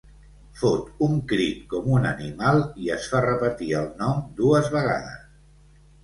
Fot un crit com un animal i es fa repetir el nom dues vegades.